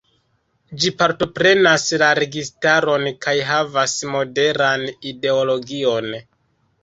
Ĝi partoprenas la registaron kaj havas moderan ideologion.